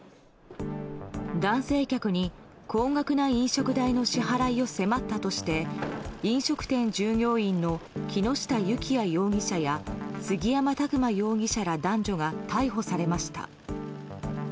男性客に高額な飲食代の支払いを迫ったとして飲食店従業員の木下幸也容疑者や杉山琢磨容疑者ら男女が逮捕されました。